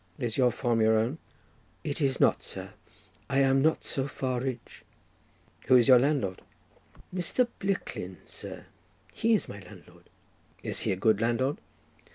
"Is your farm your own?" "It is not, sir; I am not so far rich." "Who is your landlord?" "Mr. Blicklin, sir. He is my landlord." "Is he a good landlord?"